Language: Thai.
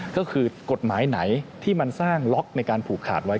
ก็คือกฎหมายไหนที่มันสร้างล็อกในการผูกขาดไว้